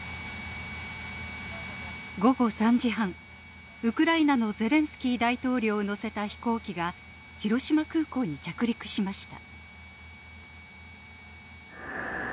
午後３時半、ウクライナのゼレンスキー大統領を乗せた飛行機が、広島空港に着陸しました。